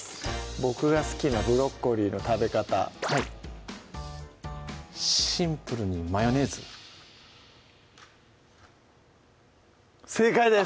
僕が好きなブロッコリーの食べ方はいシンプルにマヨネーズ正解です！